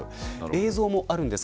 映像もあります。